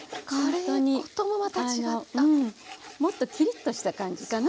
もっとキリッとした感じかな。